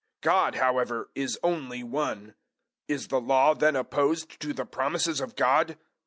003:021 God, however, is only one. Is the Law then opposed to the promises of God?